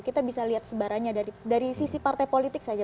kita bisa lihat sebarannya dari sisi partai politik saja